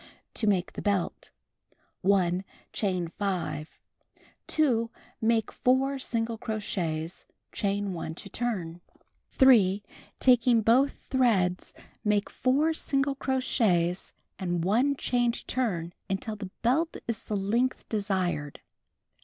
To Make the Belt: 1. Chain 5. 2. Make 4 single crochets. Chain 1 to turn. 3. Taking both threads, make 4 single crochets and 1 chain to turn until the belt is the length desired.